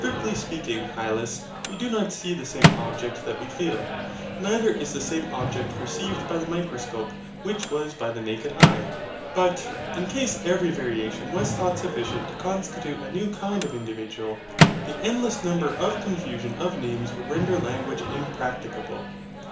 Strictly speaking, Hylas, we do not see the same object that we feel; neither is the same object perceived by the microscope which was by the naked eye. But, in case every variation was thought sufficient to constitute a new kind of individual, the endless number of confusion of names would render language impracticable.